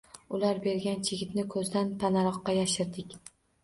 Ular bergan chigitni ko‘zdan panaroqqa yashirdik.